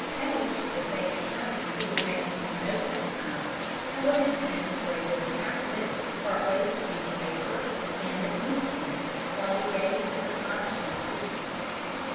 Paige, the state's attorney, who was making some notes at the time, held his pen for a good half minute part way between his paper and the inkstand while he gazed in astonishment at Peaslee.